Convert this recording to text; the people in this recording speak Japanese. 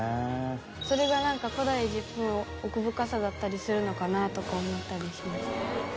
それが古代エジプトの奥深さだったりするのかなとか思ったりしました。